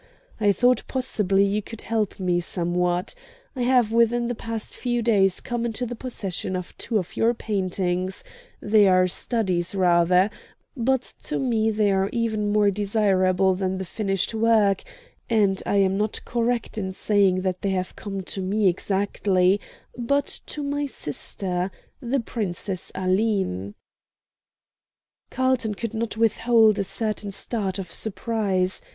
I thought possibly you could help me somewhat. I have within the past few days come into the possession of two of your paintings; they are studies, rather, but to me they are even more desirable than the finished work; and I am not correct in saying that they have come to me exactly, but to my sister, the Princess Aline." Carlton could not withhold a certain start of surprise.